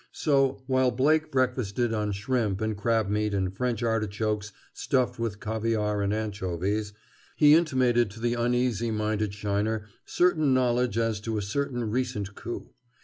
So while Blake breakfasted on shrimp and crab meat and French artichokes stuffed with caviar and anchovies, he intimated to the uneasy minded Sheiner certain knowledge as to a certain recent coup.